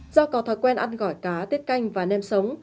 do có thói quen ăn gỏi cá tiết canh và nem sống